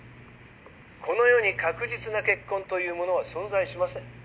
この世に確実な結婚というものは存在しません。